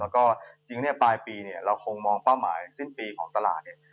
แล้วก็จริงเนี่ยปลายปีเนี่ยเราคงมองเป้าหมายสิ้นปีของตลาดเนี่ย